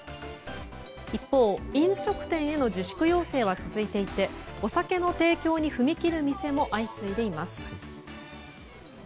一方、飲食店への自粛要請は続いていてお酒の提供に踏み切る店も相次いでいます。